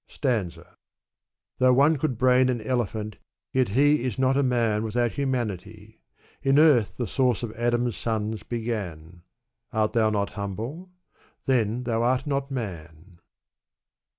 Stanza, Though one could brain an elephant, yet he Is not a man without humanity. In earth the source of Adam's sons began ; Art thou not humble? then thou art not man."